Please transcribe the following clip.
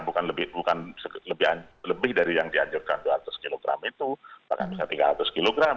bukan lebih dari yang dianjurkan dua ratus kg itu bahkan bisa tiga ratus kg